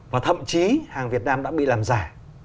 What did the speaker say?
và thậm chí hàng việt nam đã bị làm giả